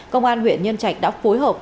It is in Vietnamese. công an huyện nhân trạch đã phối hợp